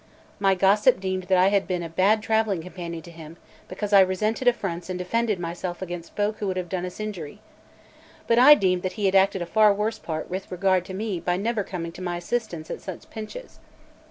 My gossip deemed that I had been a bad travelling companion to him, because I resented affronts and defended myself against folk who would have done us injury. But I deemed that he had acted a far worse part with regard to me by never coming to my assistance at such pinches.